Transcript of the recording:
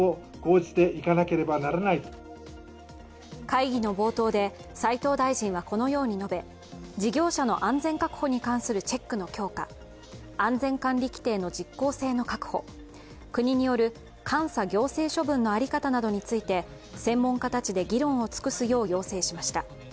会議の冒頭で斉藤大臣はこのように述べ事業者の安全確保に関するチェックの強化、安全管理規程の実効性の確保、国による監査行政処分の在り方などについて専門家たちで議論を尽くすよう要請しました。